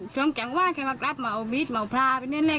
ช่วงแก่งว่าแค่ว่ากลับมาเอามีดมาเอาพลาไปนั่นแหละ